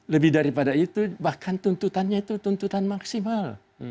lebih daripada itu bahkan tuntutannya itu tuntutan maksimal